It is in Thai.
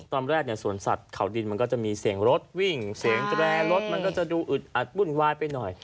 ตอนแรกเนี่ยสวนสัตว์เขาดินมันก็จะมีเสียงรถวิ่งเสียงแตรรถมันก็จะดูอึดอัดวุ่นวายไปหน่อย